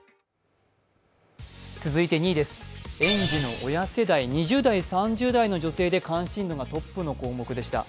続いて２位です、園児の親世代、２０代、３０代の女性で関心度がトップの項目でした。